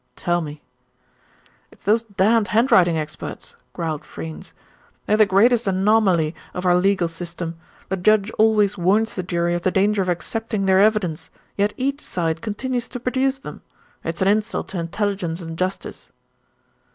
"Tell me." "It's those damned handwriting experts," growled Freynes. "They're the greatest anomaly of our legal system. The judge always warns the jury of the danger of accepting their evidence; yet each side continues to produce them. It's an insult to intelligence and justice."